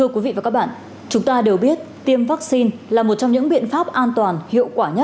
các bạn hãy đăng ký kênh để ủng hộ kênh của chúng mình nhé